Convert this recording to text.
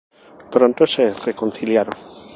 Pronto se reconciliaron.